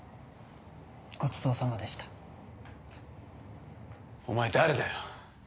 ごちそうさまでしたお前誰だよ？